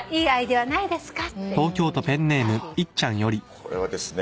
これはですね